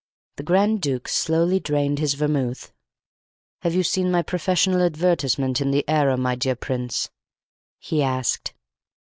The Grand Duke slowly drained his vermouth. "Have you seen my professional advertisement in the Era, my dear Prince?" he asked.